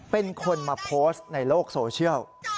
เป็นคนมาโพสต์ในโลกโซเชียล